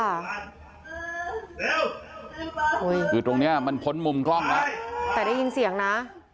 คือตรงเนี้ยมันพ้นมุมกล้องแล้วแต่ได้ยินเสียงนะ